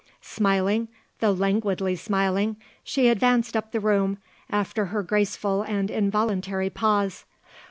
Smiling, though languidly smiling, she advanced up the room, after her graceful and involuntary pause.